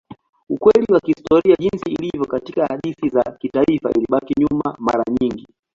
Ukweli wa kihistoria jinsi ilivyo katika hadithi za kitaifa ilibaki nyuma mara nyingi.